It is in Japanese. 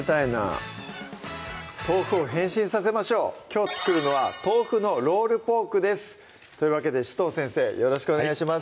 豆腐を変身させましょうきょう作るのは「豆腐のロールポーク」ですというわけで紫藤先生よろしくお願いします